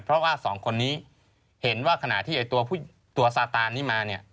เพราะว่าสองคนนี้เห็นว่าขณะที่ตัวซาตานนี้มาเนี่ย